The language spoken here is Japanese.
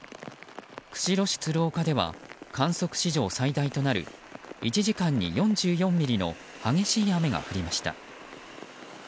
釧路市鶴丘では観測史上最大となる１時間に４４ミリの激しい雨が降りました。